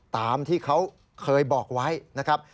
ตามที่เขาเคยบอกไว้นะครับ